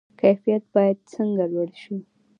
کیفیت باید څنګه لوړ شي؟